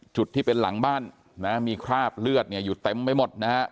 จุดที่เป็นหลังบ้านนะมีคราบเลือดเนี่ยอยู่เต็มไปหมดนะฮะ